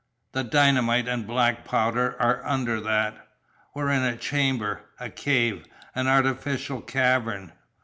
The dynamite and black powder are under that. We're in a chamber a cave an artificial cavern.